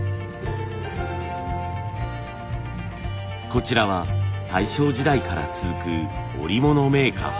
こちらは大正時代から続く織物メーカー。